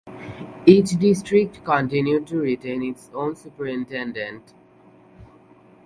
Each district continued to retain its own superintendent.